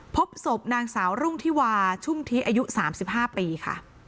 พบศพนางสาวรุ่งธิวาชุ่มทิอายุ๓๕ปีค่ะ